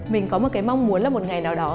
mình có một cái mong muốn là một ngày nào đó